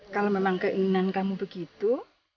kalau memang keinginan kamu begitu